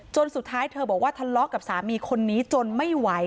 สุดท้ายเธอบอกว่าทะเลาะกับสามีคนนี้จนไม่ไหว